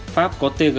pháp có tgv